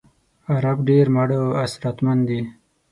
عرب ډېر ماړه او اسراتمن دي.